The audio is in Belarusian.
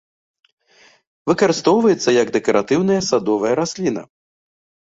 Выкарыстоўваецца, як дэкаратыўная садовая расліна.